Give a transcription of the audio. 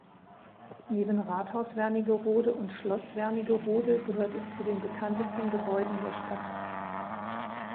Neben Rathaus Wernigerode und Schloss Wernigerode gehört es zu den bekanntesten Gebäuden der Stadt.